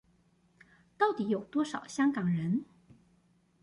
到底有多少香港人？